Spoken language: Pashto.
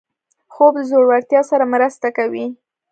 خوب د زړورتیا سره مرسته کوي